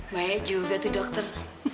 baik juga tuh dokter